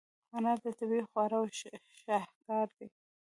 انار د طبیعي خواړو شاهکار دی.